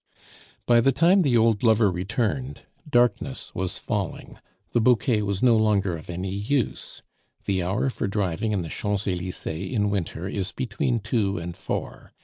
By the time the old lover returned, darkness was falling; the bouquet was no longer of any use. The hour for driving in the Champs Elysees in winter is between two and four.